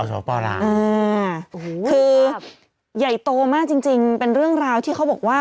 คือใหญ่โตมากจริงเป็นเรื่องราวที่เขาบอกว่า